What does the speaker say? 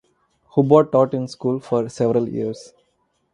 Hubbard taught in school for several years.